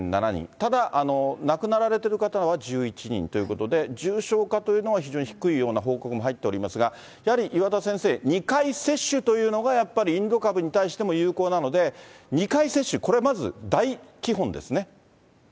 ただ亡くなられている方は１１人ということで、重症化というのは非常に低いような報告も入っておりますが、やはり岩田先生、２回接種というのがやっぱりインド株に対しても、有効なので、２回接種、これはまず大基本ですね？